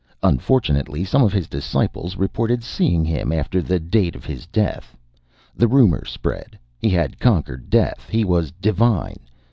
"Unfortunately, some of his disciples reported seeing him after the date of his death. The rumor spread; he had conquered death, he was divine.